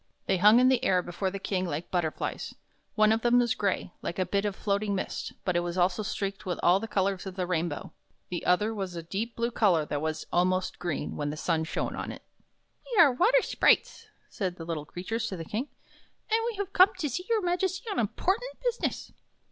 They hung in the air before the King like butterflies. One of them was gray, like a bit of floating mist, but it was also streaked with all the colors of the rainbow. The other was of a deep blue color that was almost green when the sun shone on it. " We are water sprites," said these little creatures to the King, " and we have come to see your Majesty on important business."